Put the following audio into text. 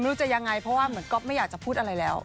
ไม่รู้จะยังไงเพราะว่าเหมือนก๊อฟไม่อยากจะพูดอะไรแล้ว